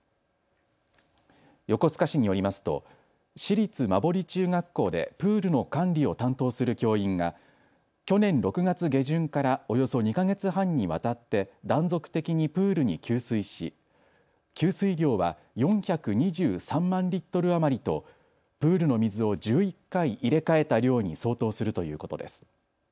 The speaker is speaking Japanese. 横須賀市によりますと市立馬堀中学校でプールの管理を担当する教員が去年６月下旬からおよそ２か月半にわたって断続的にプールに給水し給水量は４２３万リットル余りとプールの水を１１回入れ替えた量に相当するということです。